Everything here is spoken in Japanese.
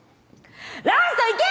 「ラストいけ！